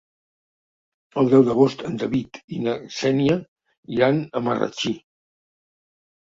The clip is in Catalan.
El deu d'agost en David i na Xènia iran a Marratxí.